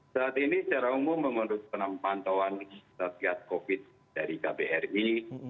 saat ini secara umum menurut penampantauan ksatria covid sembilan belas dari kbri